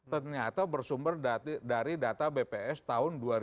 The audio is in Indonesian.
ternyata bersumber dari data bps tahun dua ribu dua